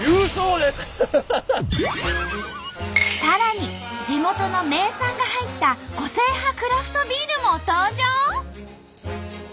さらに地元の名産が入った個性派クラフトビールも登場！